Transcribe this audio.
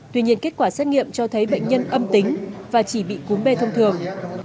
tuy nhiên kết quả xét nghiệm cho thấy bệnh nhân âm tính và chỉ bị cúm b thông thường